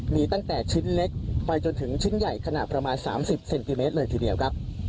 มีตั้งแต่ชิ้นเล็กไปจนถึงชิ้นใหญ่ขนาดประมาณ๓๐เซนติเมตรเลยทีเดียวครับ